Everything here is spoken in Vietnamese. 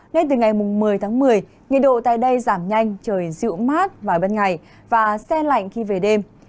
nên từ ngày một mươi tháng một mươi nhiệt độ tại đây giảm nhanh trời dịu mát và bất ngại và xen lạnh khi về đêm